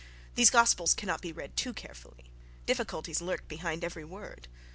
—These gospels cannot be read too carefully; difficulties lurk behind every word.